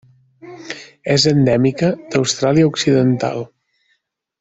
És endèmica d'Austràlia Occidental.